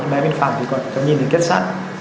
bên phẳng thì cháu nhìn thấy két sắt